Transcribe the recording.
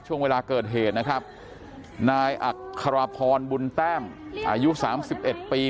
ช่วงเวลาเกิดเหตุนะครับนายอัครพรบุญแต้มอายุสามสิบเอ็ดปี